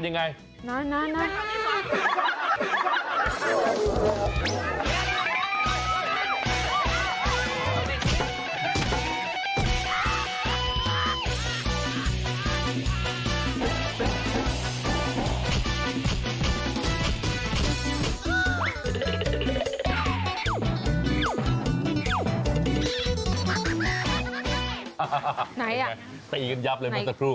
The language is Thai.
ไหนตีกันยับเลยเม้นเตอร์ครู